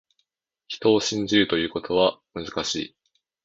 人を信じるということは、難しい。